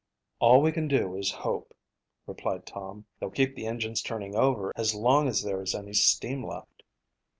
"All we can do is hope," replied Tom. "They'll keep the engines turning over as long as there is any steam left."